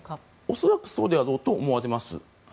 恐らくそうであろうと思われます。